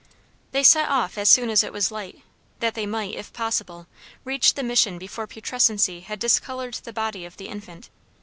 They set off as soon as it was light, that they might, if possible, reach the Mission before putrescency had discolored the body of the infant.